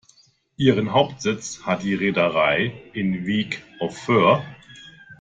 Ihren Hauptsitz hat die Reederei in Wyk auf Föhr.